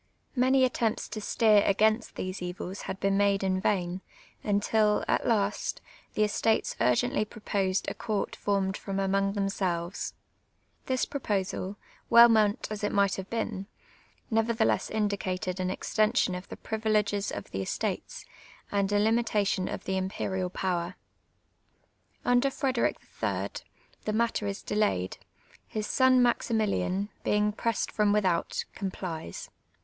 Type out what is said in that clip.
Many attempts to steer against these evils had been made in vain, imtil, at last, the estates urgently proposed a court formed from among themselves. This proposal, well meant as it might have been, nevertheless indicated an extension of the privileges of the estates, and a limitation of the imperial power. I'nder Frederic III. the matter is delayed ; his son Mnximili; in, being pressed from without, complies.